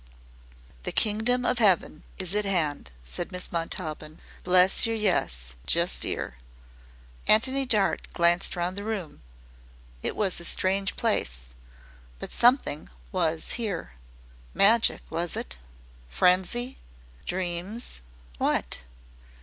'" "The kingdom of 'eaven is at 'and," said Miss Montaubyn. "Bless yer, yes, just 'ere." Antony Dart glanced round the room. It was a strange place. But something WAS here. Magic, was it? Frenzy dreams what?